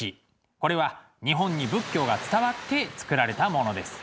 これは日本に仏教が伝わって作られたものです。